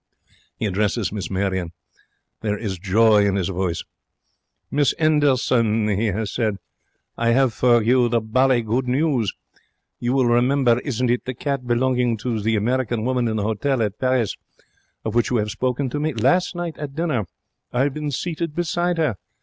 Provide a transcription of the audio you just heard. He addresses Miss Marion. There is joy in his voice. 'Miss 'Enderson,' he has said, 'I have for you the bally good news. You will remember, isn't it, the cat belonging to the American woman in the hotel at Paris, of which you have spoken to me? Last night at dinner I have been seated beside her.